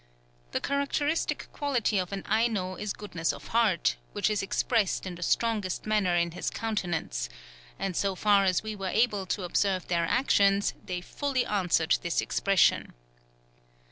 The characteristic quality of an Aino is goodness of heart, which is expressed in the strongest manner in his countenance; and so far as we were enabled to observe their actions, they fully answered this expression....